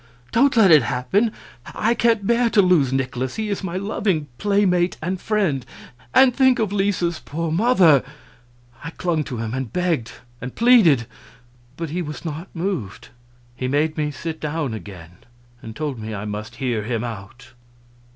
Don't let it happen. I can't bear to lose Nikolaus, he is my loving playmate and friend; and think of Lisa's poor mother!" I clung to him and begged and pleaded, but he was not moved. He made me sit down again, and told me I must hear him out.